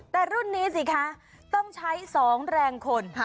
แต่รุ่นนี้สิคะต้องใช้๒แรงคน